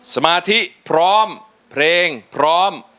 สมาธิพร้อมเพลงพร้อม